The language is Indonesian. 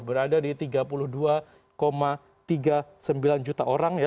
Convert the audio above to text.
berada di tiga puluh dua tiga puluh sembilan juta orang